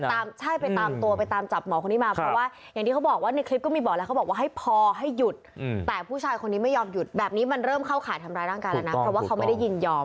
ใช่ไปตามตัวไปตามจับหมอคนนี้มาเพราะว่าอย่างที่เขาบอกว่าในคลิปก็มีบอกแล้วเขาบอกว่าให้พอให้หยุดแต่ผู้ชายคนนี้ไม่ยอมหยุดแบบนี้มันเริ่มเข้าข่ายทำร้ายร่างกายแล้วนะเพราะว่าเขาไม่ได้ยินยอม